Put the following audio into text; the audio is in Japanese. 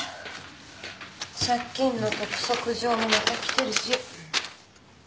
借金の督促状もまた来てるし。